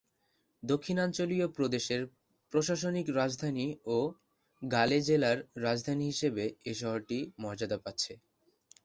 দক্ষিণাঞ্চলীয় প্রদেশের প্রশাসনিক রাজধানী ও গালে জেলার রাজধানী হিসেবে এ শহরটি মর্যাদা পাচ্ছে।